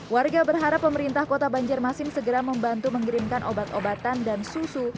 warga berharap pemerintah kota banjarmasin segera membantu mengirimkan obat obatan dan susu